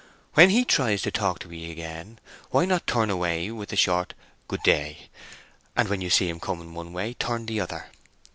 When he tries to talk to 'ee again, why not turn away with a short 'Good day'; and when you see him coming one way, turn the other.